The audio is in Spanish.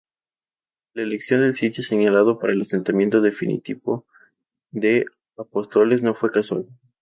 La elección del sitio señalado para el asentamiento definitivo de Apóstoles no fue casual.